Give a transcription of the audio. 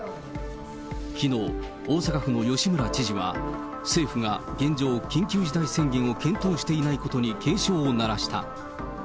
きのう、大阪府の吉村知事は、政府が現状、緊急事態宣言を検討していないことに警鐘を鳴らした。